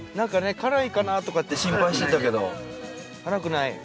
辛いかなとかって心配してたけど辛くない？